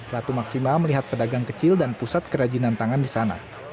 ratu maksimal melihat pedagang kecil dan pusat kerajinan tangan di sana